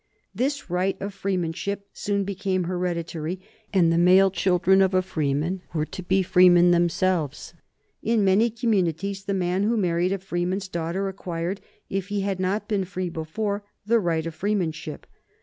This right of freemanship soon became hereditary, and the male children of a freeman were to be freemen themselves. In many communities the man who married a freeman's daughter acquired, if he had not been free before, the right of freemanship.